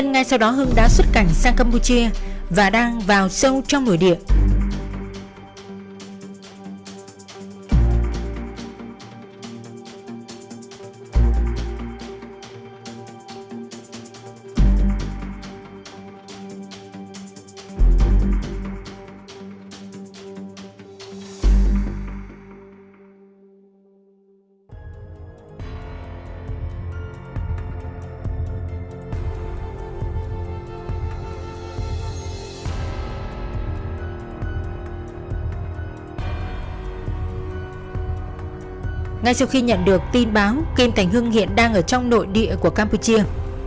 ngay sau khi nhận được tin báo kim thành hưng hiện đang ở trong nội địa của campuchia